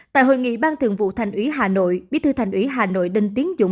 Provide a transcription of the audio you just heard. tại hội nghị ban thường vụ thành ủy hà nội bí thư thành ủy hà nội đinh tiến dũng